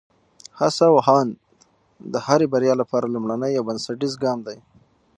هڅه او هاند د هرې بریا لپاره لومړنی او بنسټیز ګام دی.